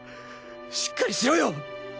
しっかりしろよ！